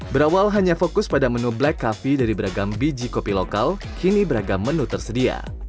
berawal hanya fokus pada menu black cafee dari beragam biji kopi lokal kini beragam menu tersedia